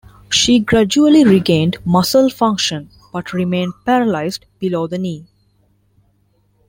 She gradually regained muscle function but remained paralyzed below the knee.